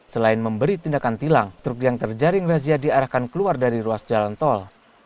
selain memberi tindakan tilang truk yang terjaring razia diarahkan keluar dari ruas jalan tol